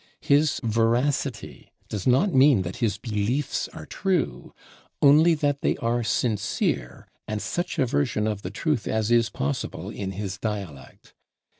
His "veracity" does not mean that his beliefs are true; only that they are sincere and such a version of the truth as is possible in his dialect.